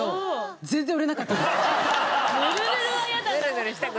ぬるぬるは嫌だな。